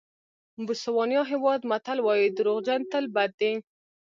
بوسوانیا هېواد متل وایي دروغجن تل بد دي.